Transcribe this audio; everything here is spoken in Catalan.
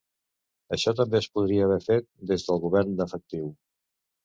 Això també es podria haver fet des del govern efectiu.